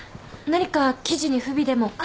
何か記事に不備でも？